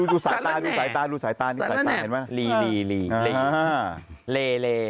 ดูสายตารีเล่